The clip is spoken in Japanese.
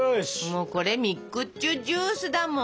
もうこれミックスジュースだもんもう。